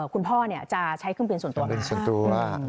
คุณพ่อจะใช้เครื่องเปลี่ยนส่วนตัว